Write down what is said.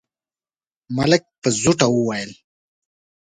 ملک په زوټه وويل: